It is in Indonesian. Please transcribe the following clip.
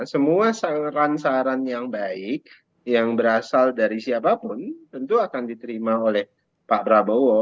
semua saran saran yang baik yang berasal dari siapapun tentu akan diterima oleh pak prabowo